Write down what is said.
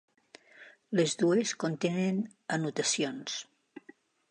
Les dues contenen anotacions.